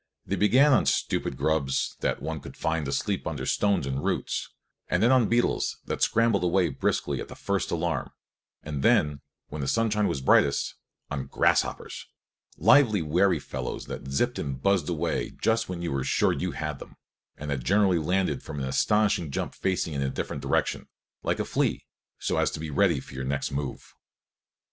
They began on stupid grubs that one could find asleep under stones and roots, and then on beetles that scrambled away briskly at the first alarm, and then, when the sunshine was brightest, on grasshoppers, lively, wary fellows that zipped and buzzed away just when you were sure you had them, and that generally landed from an astounding jump facing in a different direction, like a flea, so as to be ready for your next move.